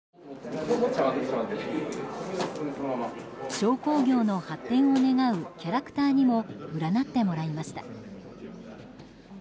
商工業の発展を願うキャラクターにも占ってもらいました。